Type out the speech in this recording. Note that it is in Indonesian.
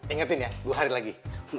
ingetin ya dua hari lagi